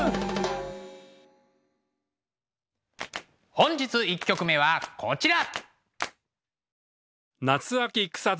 本日１曲目はこちら。